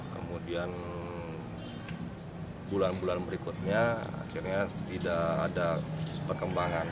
kemudian bulan bulan berikutnya akhirnya tidak ada perkembangan